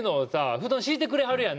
布団を敷いてくれはるやん。